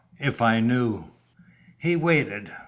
If I knew...." He waited.